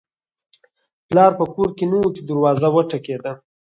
پلار په کور کې نه و چې دروازه وټکېده